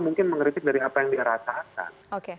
mungkin mengkritik dari apa yang di rasakan